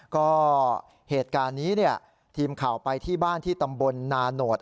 ก็เหตุการณ์นี้เนี่ยทีมข่าวไปที่บ้านที่ตำบลนาโนธ